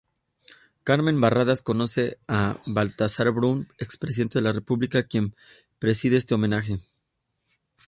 Carmen Barradas conoce a Baltasar Brum, expresidente de la República, quien preside este homenaje.